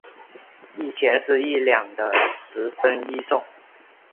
一钱是一两的十分一重。